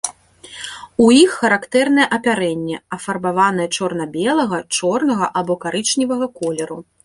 У іх характэрнае апярэнне, афарбаванае чорна-белага, чорнага або карычневага колеру.